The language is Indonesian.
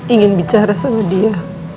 ingin bicara sama dia